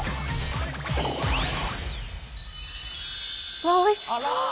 うわっおいしそう！